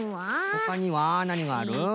ほかにはなにがある？